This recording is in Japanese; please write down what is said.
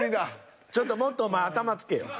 ちょっともっとお前頭付けよ。